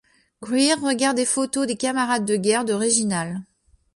Greer regarde des photos des camarades de guerre de Reginald.